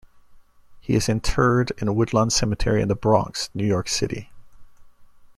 He is interred in Woodlawn Cemetery in The Bronx, New York City.